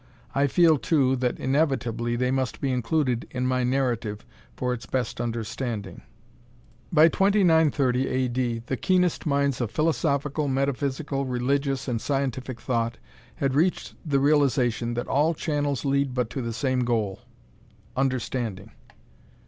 I feel, too, that inevitably they must be included in my narrative for its best understanding. By 2930, A. D., the keenest minds of philosophical, metaphysical, religious and scientific thought had reached the realization that all channels lead but to the same goal Understanding.